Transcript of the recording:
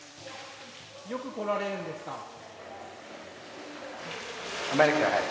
よく来られるんですか？